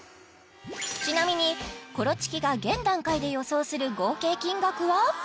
ちなみにコロチキが現段階で予想する合計金額は？